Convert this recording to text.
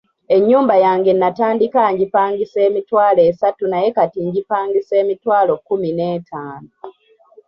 Ennyumba yange natandika ngipangisa emitwalo esatu naye kati ngipangisa emitwalo kkumi n'etaano.